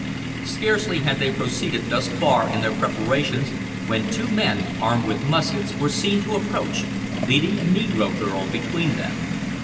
Scarcely had they proceeded thus far in their preparations, when two men, armed with muskets, were seen to approach, leading a negro girl between them.